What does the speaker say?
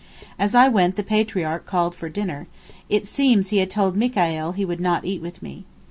As I went the Patriarch called for dinner, it seems he had told Mikaeel he would not eat with me.